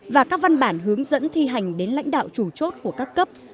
và các văn bản hướng dẫn thi hành đến lãnh đạo chủ chốt của các tỉnh ninh bình